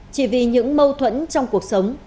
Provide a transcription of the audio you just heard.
chỉ vì những mâu thuẫn trong cuộc sống